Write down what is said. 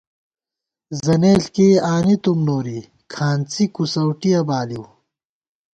زنېݪ کېئی آنِی تُوم نوری، کھانڅی کُوسَؤٹِیَہ بالِؤ